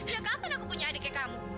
ya kapan aku punya adik kayak kamu